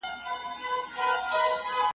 چا یې پښې چا ګودړۍ ورمچوله .